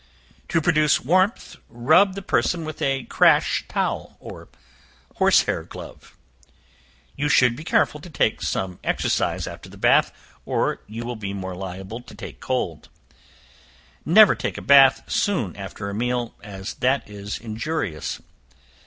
To produce warmth, rub the person with a crash towel, or horse hair glove. You should be careful to take some exercise after the bath, or you will be more liable to take cold. Never take a bath soon after a meal, as that is injurious.